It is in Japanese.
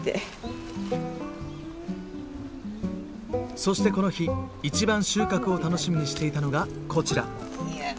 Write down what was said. そしてこの日一番収穫を楽しみにしていたのがこちら。